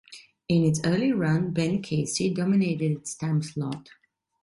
In its early run, "Ben Casey" dominated its time slot.